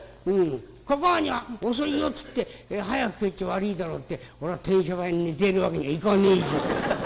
かかあには『遅いよ』っつって早く帰っちゃ悪いだろって俺は停車場で寝てるわけにはいかねえじゃねえか。